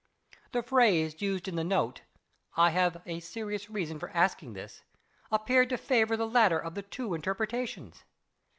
The phrase used in the note, "I have a serious reason for asking this," appeared to favor the latter of the two interpretations.